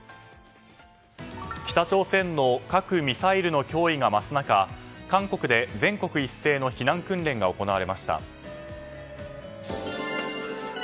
北朝鮮の核・ミサイルの脅威が増す中韓国で全国一斉の避難訓練が行われました。